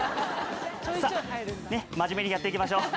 さあねっ真面目にやっていきましょう。